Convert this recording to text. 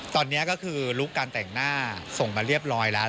ตอนนี้ก็คือลุคการแต่งหน้าส่งมาเรียบร้อยแล้ว